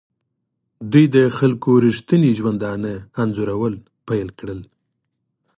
دوی د خلکو ریښتیني ژوندانه انځورول پیل کړل.